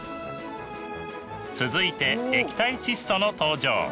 続いて液体窒素の登場。